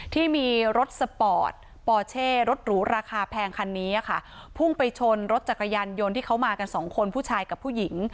ที่มีรถสปอร์ตปอเช่รถหรูราคาแพงคันนี้ค่ะพุ่งไปชนรถจักรยานยนต์ที่เขามากันสองคนผู้ชายกับผู้หญิง